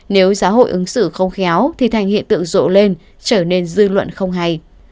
nếu giáo hội ứng xử không khéo thì thành hiện tượng rộ lên trở nên dư luận không hay